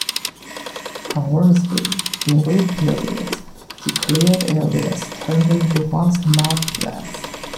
Conversely, in wet periods, the cleared areas turned into vast mud flats.